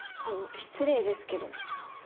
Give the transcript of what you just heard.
あの失礼ですけど？